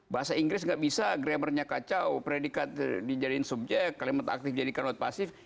bahasa inggris nggak bisa grammar nya kacau predikat dijadikan subjek kalimat aktif dijadikan not passive